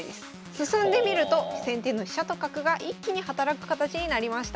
進んでみると先手の飛車と角が一気に働く形になりました。